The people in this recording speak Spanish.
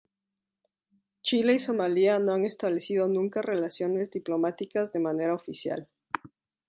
Chile y Somalia no han establecido nunca relaciones diplomáticas de manera oficial.